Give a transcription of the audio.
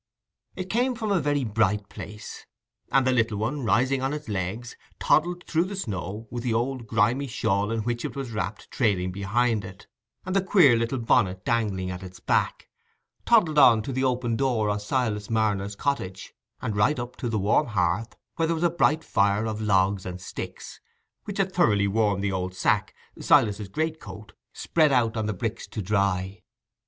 It came from a very bright place; and the little one, rising on its legs, toddled through the snow, the old grimy shawl in which it was wrapped trailing behind it, and the queer little bonnet dangling at its back—toddled on to the open door of Silas Marner's cottage, and right up to the warm hearth, where there was a bright fire of logs and sticks, which had thoroughly warmed the old sack (Silas's greatcoat) spread out on the bricks to dry.